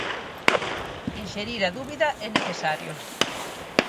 Enxerir a dúbida é necesario.